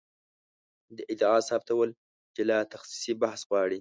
دا ادعا ثابتول جلا تخصصي بحث غواړي.